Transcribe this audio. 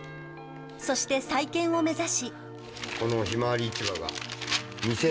そして再建を目指し。